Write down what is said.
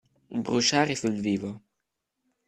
Bruciare sul vivo.